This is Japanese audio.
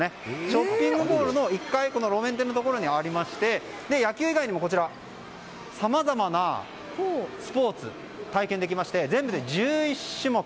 ショッピングモールの１階路面店のところにありまして野球以外にもさまざまなスポーツが体験できまして全部で１１種目。